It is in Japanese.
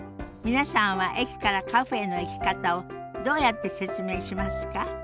皆さんは駅からカフェへの行き方をどうやって説明しますか？